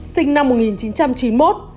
sinh năm một nghìn chín trăm chín mươi một